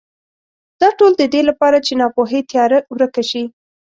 دا ټول د دې لپاره چې ناپوهۍ تیاره ورکه شي.